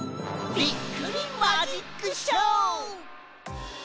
びっくりマジックショー！